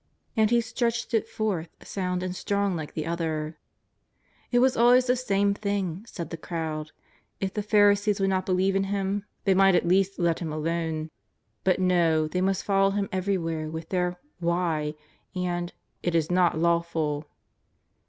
And he stretched it forth sound and strong like the other. It was always the same thing, said the crowd. If the Pharisees would not believe in Him, they might at JESUS OF NAZARETH. 189 least let Him alone. But no, they mnst follow Him everywhere with their '^ Why ?" and '' It is not law ful."